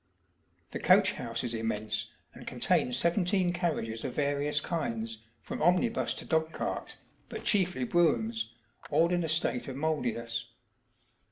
The coach house is immense, and contained seventeen carriages of various kinds, from omnibus to dogcart, but chiefly broughams, all in a state of mouldiness.